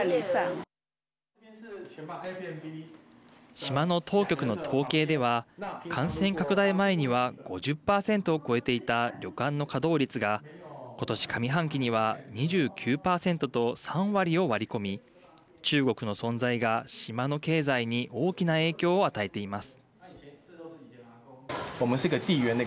島の当局の統計では感染拡大前には５０％を超えていた旅館の稼働率が今年、上半期には２９％と３割を割り込み中国の存在が島の経済に大きな影響を与えています。